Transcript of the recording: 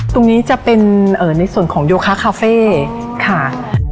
ตรงนี้จะเป็นในส่วนของโยคะคาเฟ่ค่ะ